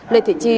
lê thị chi